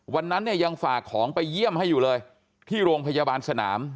วันนั้นเนี่ยยังฝากของไปเยี่ยมให้อยู่เลยที่โรงพยาบาลสนาม